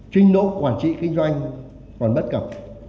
trinh độ quản trị kinh doanh còn bất cập